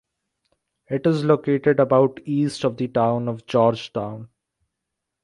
It is located about east of the town of George Town.